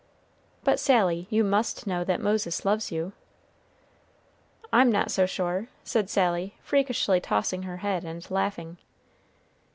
"But, Sally, you must know that Moses loves you." "I'm not so sure," said Sally, freakishly tossing her head and laughing.